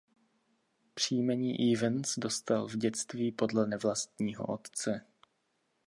Příjmení Evans dostal v dětství podle svého nevlastního otce.